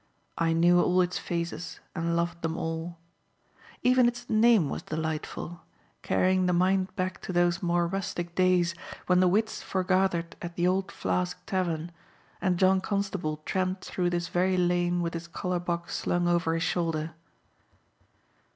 I knew all its phases and loved them all. Even its name was delightful, carrying the mind back to those more rustic days when the wits foregathered at the Old Flask Tavern and John Constable tramped through this very lane with his colour box slung over his shoulder.